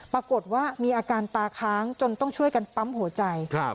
ปรากฏว่ามีอาการตาค้างจนต้องช่วยกันปั๊มหัวใจ